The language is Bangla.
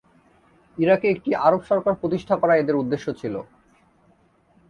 ইরাকে একটি আরব সরকার প্রতিষ্ঠা করা এদের উদ্দেশ্য ছিল।